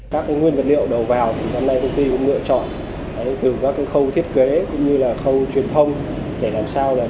các nguyên vật liệu đầu vào thì năm nay công ty cũng lựa chọn từ các khâu thiết kế cũng như là khâu truyền thông để làm sao là đưa tới các sản phẩm đột phá